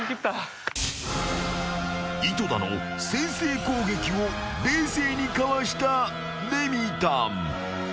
［井戸田の先制攻撃を冷静にかわしたレミたん］